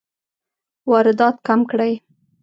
واردات کم کړئ